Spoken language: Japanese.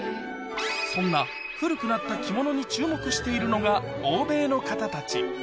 そんな古くなった着物に注目しているのが欧米の方たち